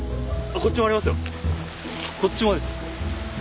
こっちもです！